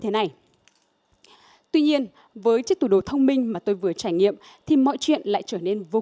thế này tuy nhiên với chiếc tủ đồ thông minh mà tôi vừa trải nghiệm thì mọi chuyện lại trở nên vô